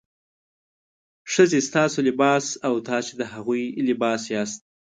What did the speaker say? ښځې ستاسو لباس او تاسې د هغوی لباس یاست.